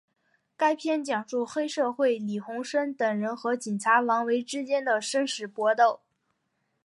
该片讲述黑社会李鸿声等人和警察王维之间的生死搏斗。